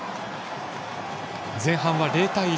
前半は０対１。